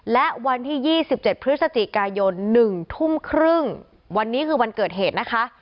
และวันที่๒๗พฤศจิกายน๑ทุ่มครึ่งวันนี้คือวันเกิดเหตุนะคะ